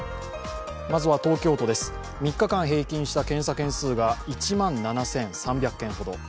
まずは東京都です、３日間平均した検査件数が１万７３００件ほど。